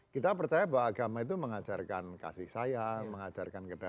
kita percaya bahwa agama itu mengajarkan kasih sayang mengajarkan kedalaman